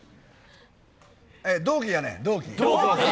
同期やねん、同期。